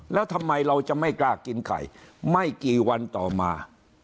แล้วทำไมเราจะไม่กล้ากินไก่ไม่กี่วันต่อมา